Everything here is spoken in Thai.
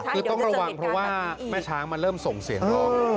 คือต้องระวังเพราะว่าแม่ช้างมันเริ่มส่งเสียงร้อง